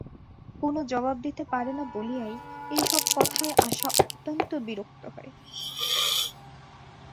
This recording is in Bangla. কোনো জবাব দিতে পারে না বলিয়াই এই-সব কথায় আশা অত্যন্ত বিরক্ত হয়।